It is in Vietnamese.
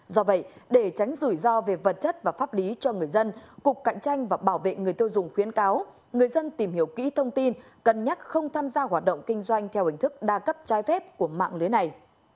do vậy để tránh rủi ro về vật chất và pháp lý cho người dân cục cạnh tranh và bảo vệ người tiêu dùng khuyến cáo người dân tìm hiểu kỹ thông tin cân nhắc không tham gia hoạt động kinh doanh theo hình thức đa cấp trái phép của mạng lưới này